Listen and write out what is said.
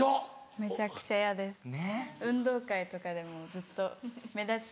めちゃくちゃ嫌ですね。